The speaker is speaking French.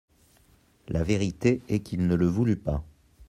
La vérité est qu'il ne le voulut pas.